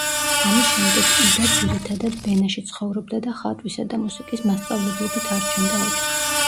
ამის შემდეგ იდა ძირითადად ვენაში ცხოვრობდა და ხატვისა და მუსიკის მასწავლებლობით არჩენდა ოჯახს.